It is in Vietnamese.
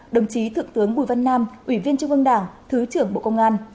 đồng chí thượng tướng bùi văn nam ủy viên trung ương đảng thứ trưởng bộ công an